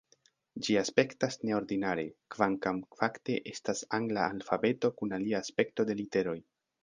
Ĝi aspektas neordinare, kvankam fakte estas angla alfabeto kun alia aspekto de literoj.